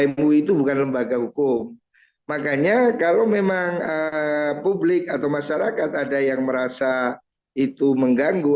mui itu bukan lembaga hukum makanya kalau memang publik atau masyarakat ada yang merasa itu mengganggu